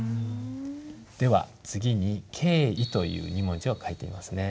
では次に「敬意」という２文字を書いてみますね。